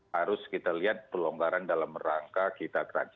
harus kita lihat pelonggaran dalam rangka kita transisi